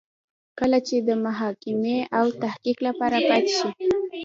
کله چې د محاکمې او تحقیق لپاره پاتې شي.